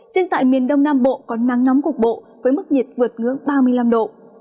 riêng tại miền đông nam bộ có nắng nóng cục bộ với mức nhiệt vượt ngưỡng ba mươi năm độ